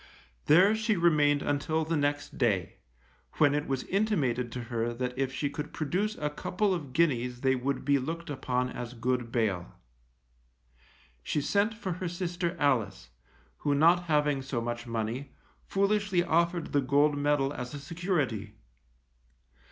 There she remained until the next day, when it was intimated to her that if she could produce a couple of guineas they would be looked upon as good bail. She sent for her sister Alice, who not having so much money, foolishly offered the gold medal as a security.